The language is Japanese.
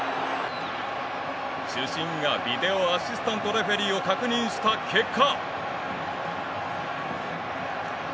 主審がビデオアシスタントレフリーを確認した結果。